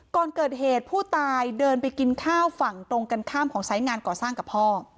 ก่อนเกิดเหตุผู้ตายเดินไปกินข้าวฝั่งตรงกันข้ามของสายงานก่อสร้างกับพ่อ